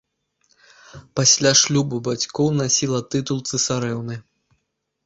Пасля шлюбу бацькоў насіла тытул цэсарэўны.